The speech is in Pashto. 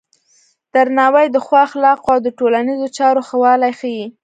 درناوی د ښو اخلاقو او د ټولنیزو چارو ښه والی ښيي.